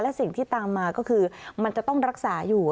และสิ่งที่ตามมาก็คือมันจะต้องรักษาอยู่